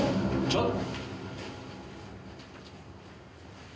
ちょっと。